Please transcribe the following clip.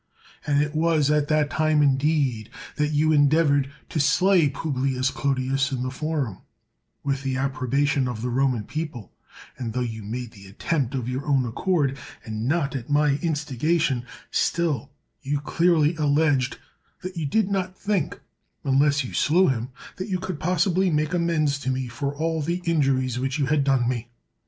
And it was at that . time, indeed, that you endeavored to slay Pub 182 CICERO lius Clodius in the forum, with the approbation of the Roman people; and tho you made the attempt of your own accord, and not at my insti gation, still you clearly alleged that you did not think, unless you slew him, that you could pos sibly make amends to me for all the injuries which you had done me.